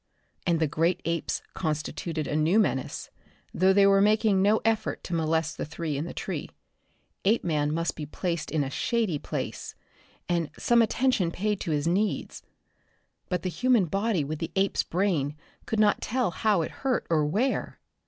And the great apes constituted a new menace, though they were making no effort to molest the three in the tree. Apeman must be placed in a shady place and some attention paid to his needs. But the human body with the ape's brain could not tell how it hurt or where.